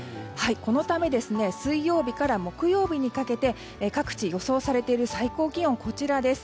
このため水曜日から木曜日にかけて各地予想されている最高気温がこちらです。